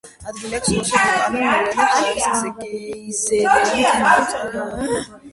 ადგილი აქვს სხვადასხვა ვულკანურ მოვლენებს, არის გეიზერები, თერმალური წყაროები, ასევე შეინიშნება მიწისძვრები.